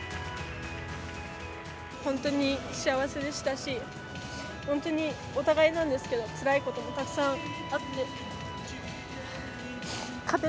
本当に幸せでしたし、本当にお互いなんですけど、つらいこともたくさんあって。